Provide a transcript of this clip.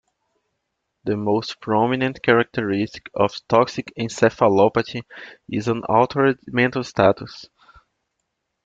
The most prominent characteristic of toxic encephalopathy is an altered mental status.